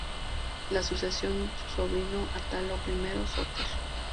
Le sucedió su sobrino Átalo I Sóter.